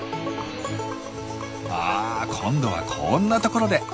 あ今度はこんなところで。